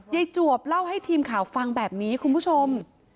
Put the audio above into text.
จวบเล่าให้ทีมข่าวฟังแบบนี้คุณผู้ชม